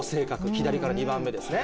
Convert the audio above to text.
左から２番目ですね。